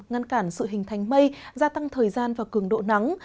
ngăn cản sự hình thành mây gia tăng thời gian và cường độ nắng